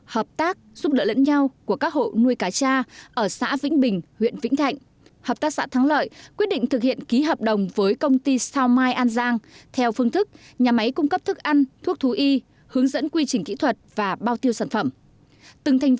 hợp tác xã thủy sản thắng lợi thuộc xã vĩnh bình huyện vĩnh thạnh thành phố cần thơ có diện tích nuôi cá cha với tổng giá trị trên một trăm năm mươi tỷ đồng